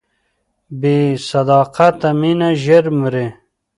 بې صداقته مینه ژر مري.